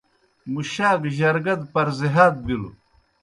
مُشاک جرگا دہ پَرزِہات بِلوْ۔